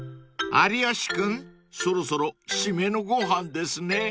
［有吉君そろそろ締めのご飯ですね］